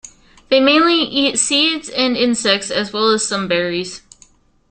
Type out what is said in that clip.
They mainly eat seeds and insects, as well as some berries.